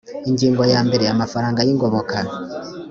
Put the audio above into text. ingingo ya mbere amafaranga y ingoboka